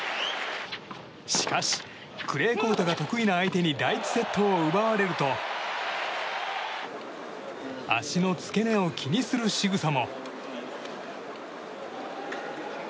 しかしクレーコートが得意な相手に第１セットを奪われると足の付け根を気にするしぐさも。